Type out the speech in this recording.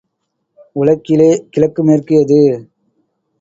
உழக்கிலே கிழக்கு மேற்கு எது?